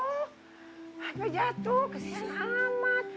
sampai jatuh kesian amat